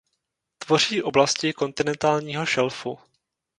Tvoří oblasti kontinentálního šelfu.